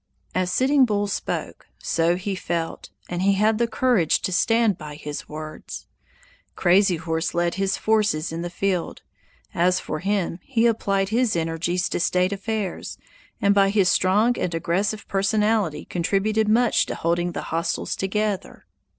'" As Sitting Bull spoke, so he felt, and he had the courage to stand by his words. Crazy Horse led his forces in the field; as for him, he applied his energies to state affairs, and by his strong and aggressive personality contributed much to holding the hostiles together.